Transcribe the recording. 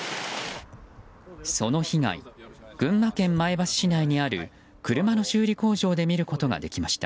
その被害、群馬県前橋市内にある車の修理工場で見ることができました。